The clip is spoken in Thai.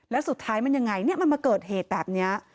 แล้วสุดท้ายมันยังไงเนี่ยมันมาเกิดเหตุแบบนี้